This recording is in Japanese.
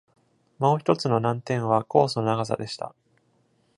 もう一つの難点はコースの長さでした。